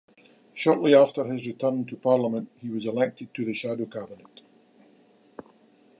Shortly after his return to Parliament, he was elected to the shadow cabinet.